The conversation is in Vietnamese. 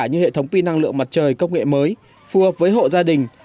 như hệ thống pin năng lượng mặt trời công nghệ mới phù hợp với hộ gia đình